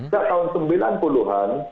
sejak tahun sembilan puluh an